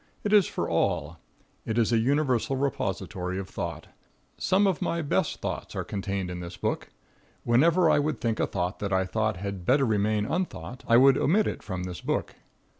It is for all. It is a universal repository of thought. Some of my best thoughts are contained in this book. Whenever I would think a thought that I thought had better remain unthought, I would omit it from this book.